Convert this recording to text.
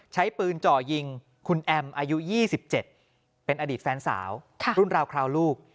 ใช้ปืนจ่อยิงคุณแอมอายุ๒๗เป็นอดีตแฟนสาวรุ่นราวคราวลูก